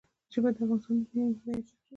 ژبې د افغانستان د ملي هویت نښه ده.